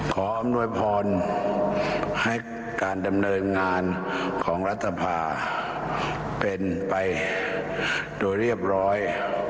อำนวยพรให้การดำเนินงานของรัฐภาเป็นไปโดยเรียบร้อย